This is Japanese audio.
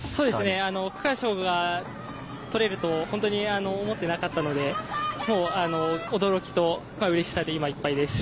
区間賞がとれると本当に思ってなかったので驚きと嬉しさで今、いっぱいです。